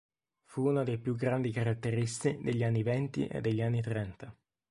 Fu uno dei più grandi caratteristi degli anni venti e degli anni trenta.